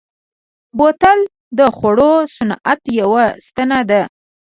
بوتل د خوړو صنعت یوه ستنه ده.